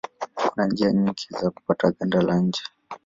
Kuna njia nyingi za kupata ganda la nje.